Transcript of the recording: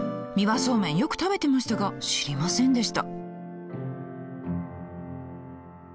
三輪そうめんよく食べてましたが知りませんでした。